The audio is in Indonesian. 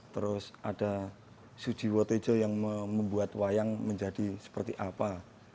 terus ada sujiwotejo yang membuat wayang menjadi seperti apa